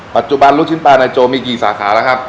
ปัจจุบันลูกชิ้นปลานายโจมีกี่สาขาแล้วครับ